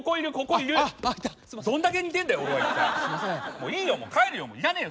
もういいよ！